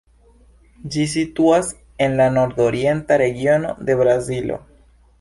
Ĝi situas en la nordorienta regiono de Brazilo.